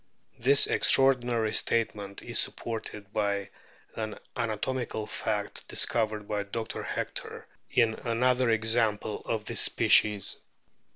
This extraordinary statement is supported by an anatomical fact discovered by Dr. Hector in another example of this species.